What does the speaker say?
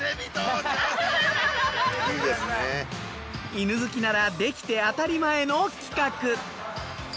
犬好きならできて当たり前の企画。